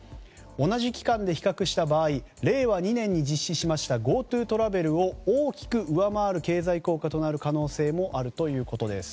同じ期間で比較した場合令和２年に実施したＧｏＴｏトラベルを大きく上回る経済効果となる可能性もあるということです。